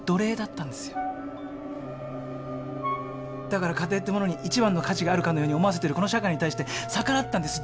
だから家庭ってものに一番の価値があるかのように思わせてるこの社会に対して逆らったんです。